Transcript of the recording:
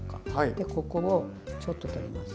でここをちょっと取ります。